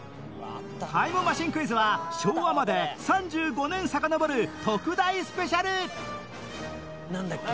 タイムマシンクイズは昭和まで３５年さかのぼる特大スペシャルなんだっけ？